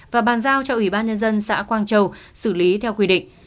và bàn giao cho ủy ban nhân dân xã quang châu xử lý theo quy định